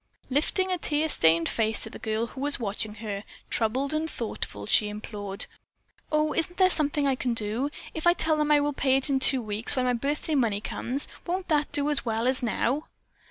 Lifting a tear stained face to the girl who was watching her, troubled and thoughtful, she implored: "Oh, isn't there something I can do? If I tell them I will pay it in two weeks, when my birthday money comes, won't that do as well as now?"